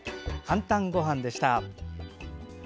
「かんたんごはん」でした。